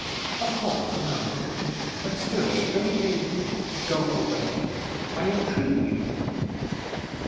"Of course, no.... But still, don't you ... go away. I entreat you."